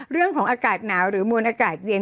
เรื่องของอากาศหนาวหรือมวลอากาศเย็น